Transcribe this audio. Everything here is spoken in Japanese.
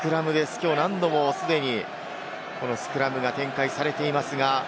きょう何度も既にスクラムが展開されています。